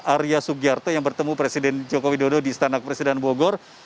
arya sugiarto yang bertemu presiden joko widodo di istana presiden bogor